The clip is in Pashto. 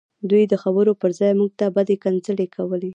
دوی د خبرو پرځای موږ ته بدې کنځلې کولې